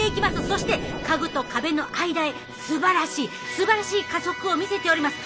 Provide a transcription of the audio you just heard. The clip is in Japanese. そして家具と壁の間へすばらしいすばらしい加速を見せております。